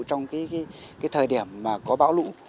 trong cái thời điểm mà có bão lũ